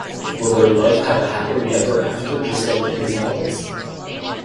Will their love have an happily ever after just like in his novels?